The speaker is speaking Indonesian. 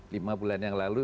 lima bulan yang lalu